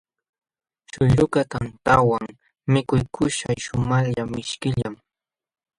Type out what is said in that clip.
Śhuyrukaq tantantawan mikuykuśhqa shumaqlla mishkillam.